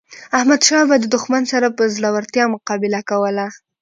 احمد شاه بابا د دښمن سره په زړورتیا مقابله کوله.